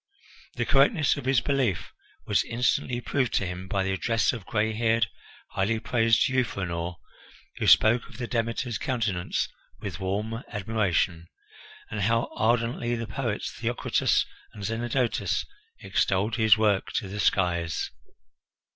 The correctness of his belief was instantly proved to him by the address of gray haired, highly praised Euphranor, who spoke of the Demeter's countenance with warm admiration. And how ardently the poets Theocritus and Zenodotus extolled his work to the skies!